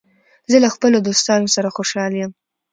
زه له خپلو دوستانو سره خوشحال یم.